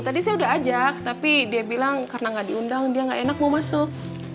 tadi saya udah ajak tapi dia bilang karena nggak diundang dia nggak enak mau masuk